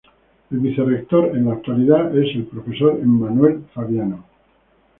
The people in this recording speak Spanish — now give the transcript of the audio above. El vicerrector en la actualidad es profesor Emmanuel Fabiano.